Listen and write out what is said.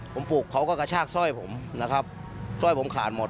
ผมปลูกเขาก็กระชากสร้อยผมนะครับสร้อยผมขาดหมด